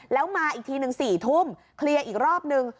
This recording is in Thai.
แล้วมาอีกทีหนึ่ง๔ทุ่มเคลียร์อีกรอบนึง